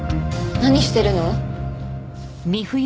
何してるの？